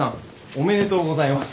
おめでとうございます。